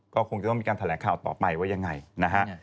ก็คงจะต้องมีการแถลงข่าวต่อไปว่ายังไงนะฮะ